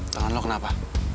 tangan lo kenapa